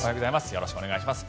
よろしくお願いします。